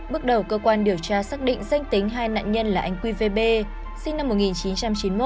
bước đầu cơ quan điều tra xác định danh tính hai nạn nhân là anh qvb sinh năm một nghìn chín trăm chín mươi một